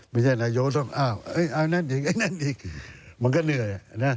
ไม่ใช่นายกต้องเอ้าไอ้นั่นอีกไอ้นั่นอีกมันก็เหนื่อย